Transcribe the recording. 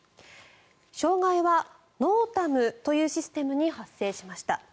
障害はＮＯＴＡＭというシステムに発生しました。